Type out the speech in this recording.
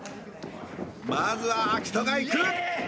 まずは彰人がいく！